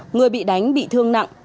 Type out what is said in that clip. người bị đánh bị thương nặng